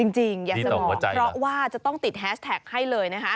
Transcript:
จริงอยากจะบอกเพราะว่าจะต้องติดแฮชแท็กให้เลยนะคะ